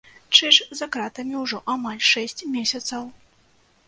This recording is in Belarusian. Чыж за кратамі ўжо амаль шэсць месяцаў.